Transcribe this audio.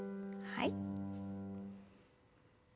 はい。